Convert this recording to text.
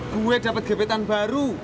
gue dapet gebetan baru